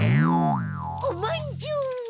おまんじゅう。